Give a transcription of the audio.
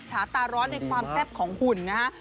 ฉาตาร้อนในความแซ่บของหุ่นนะฮะ